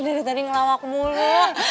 dari tadi ngelawak mulu